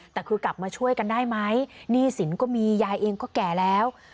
แต่กลับมาช่วยกันได้มั้ยนี่ศิลป์ก็มียายเองก็แก่แล้ว